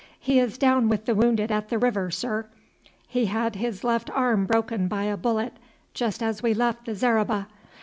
"He is down with the wounded at the river, sir. He had his left arm broken by a bullet just as we left the zareba.